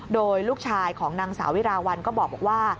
โดยลูกชายของนางสาววิราวัลก็บอกว่า